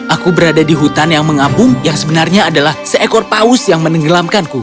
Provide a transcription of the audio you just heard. aku berada di hutan yang mengabung yang sebenarnya adalah seekor paus yang menenggelamkanku